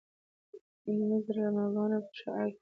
د نیمروز د رڼاګانو په شعاع کې.